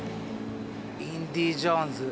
「インディー・ジョーンズ」。